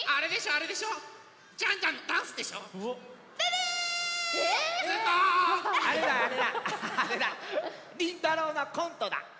あれだあれだあれだりんたろうのコントだ！